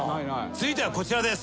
続いてはこちらです。